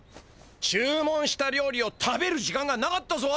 注文したりょうりを食べる時間がなかったぞ。